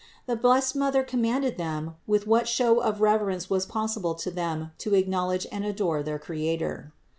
The blessed Mother commanded them, with what show of reverence was possible to them to acknowl edge and adore their Creator.